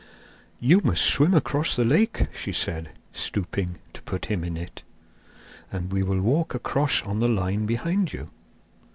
'You must swim across the lake,' she said, stooping to put him in, 'and we will walk across on the line behind you.